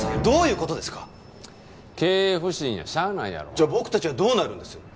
じゃあ僕たちはどうなるんです？